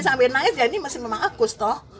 sambil naik ini memang agus